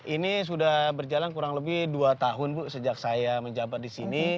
ini sudah berjalan kurang lebih dua tahun bu sejak saya menjabat di sini